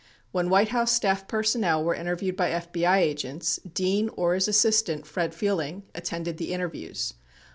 When White House staff personnel were interviewed by FBI agents, Dean or his assistant, Fred Fielding, attended the interviews.